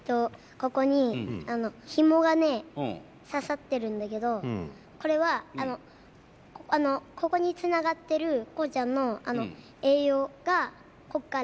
ここにヒモがね刺さってるんだけどこれはここにつながってるコウちゃんの栄養がこっから。